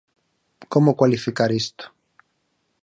Como cualificar isto?